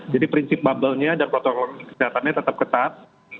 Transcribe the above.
jadi prinsip bubble dan protokol kesehatannya tetap ketat